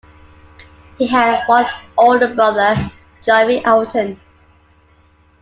He had one older brother, Geoffrey Elton.